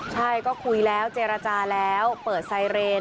ใช่ก็คุยแล้วเจรจาแล้วเปิดไซเรน